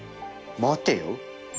待てよ